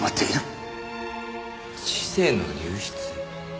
知性の流出。